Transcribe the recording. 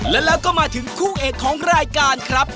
แล้วก็มาถึงคู่เอกของรายการครับ